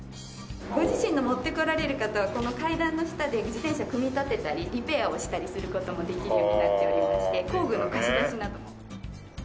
ご自身のを持ってこられる方はこの階段の下で自転車組み立てたりリペアをしたりする事もできるようになっておりまして工具の貸し出しなども。